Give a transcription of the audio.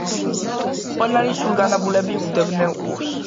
ყველანი სულგანაბულები უგდებდნენ ყურს